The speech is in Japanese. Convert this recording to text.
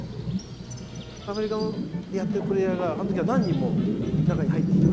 アメリカでやってるプレーヤーがあの時は何人も中に入ってきてくれた。